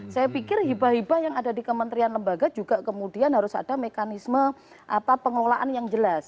saya pikir hibah hibah yang ada di kementerian lembaga juga kemudian harus ada mekanisme pengelolaan yang jelas